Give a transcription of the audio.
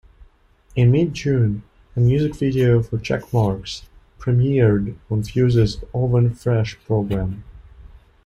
In mid-June, a music video for "Checkmarks" premiered on Fuse's "Oven Fresh" programme.